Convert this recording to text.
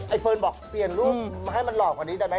เฟิร์นบอกเปลี่ยนรูปให้มันหล่อกว่านี้ได้ไหม